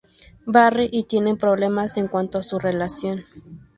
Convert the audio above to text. Barry y tienen problemas en cuanto a su relación.